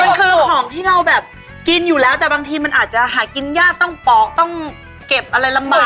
มันคือของที่เราแบบกินอยู่แล้วแต่บางทีมันอาจจะหากินยากต้องปอกต้องเก็บอะไรลำบาก